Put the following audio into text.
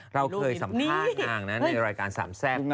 เราเคยสัมภาษณ์นางนะในรายการสามแซ่บ